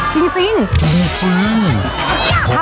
จริงหรือเปล่า